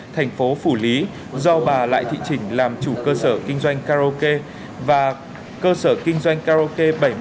thành phố phủ lý do bà lại thị chỉnh làm chủ cơ sở kinh doanh karaoke và cơ sở kinh doanh karaoke bảy mươi bảy